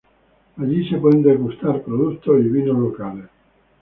Allí se pueden degustar productos y vinos locales.